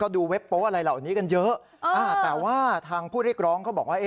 ดูเว็บโป๊ะอะไรเหล่านี้กันเยอะแต่ว่าทางผู้เรียกร้องเขาบอกว่า